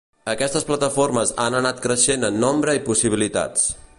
Aquestes plataformes han anat creixent en nombre i possibilitats.